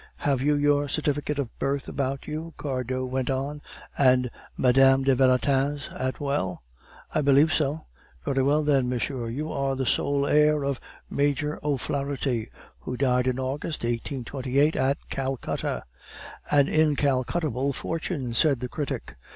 "Have you your certificate of birth about you," Cardot went on, "and Mme. de Valentin's as well?" "I believe so." "Very well then, monsieur; you are the sole heir of Major O'Flaharty, who died in August 1828 at Calcutta." "An incalcuttable fortune," said the critic.